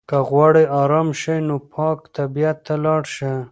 که غواړې ارام شې نو پاک طبیعت ته لاړ شه.